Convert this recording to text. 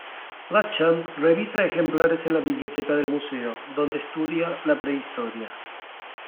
Latcham revisa ejemplares en la biblioteca del museo, donde estudia la prehistoria.